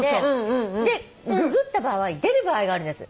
でググった場合出る場合があるんです。